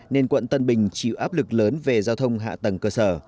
nên quận tân bình chịu áp lực lớn về giao thông hạ tầng cơ sở